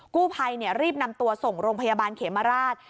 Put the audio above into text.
กู้ภัยรีบนำตัวส่งโรงพยาบาลเขมราช